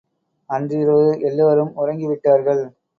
அன்றிரவு எல்லோரும் உறங்கி விட்டார்கள்.